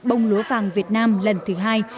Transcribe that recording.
bông lúa vàng việt nam lần thứ hai